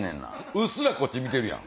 うっすらこっち見てるやん！